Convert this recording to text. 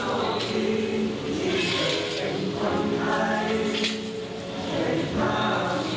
แต่มีใครทำทำให้คนไข่